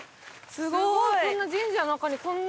すごい！